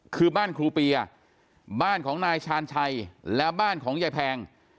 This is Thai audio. คือบ้านครูเปียบ้านของนายชาญชัยและบ้านของยายแพง